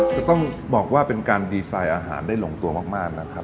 จะต้องบอกว่าเป็นการดีไซน์อาหารได้ลงตัวมากนะครับ